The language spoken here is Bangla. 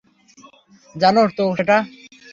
জানো তো সেটা?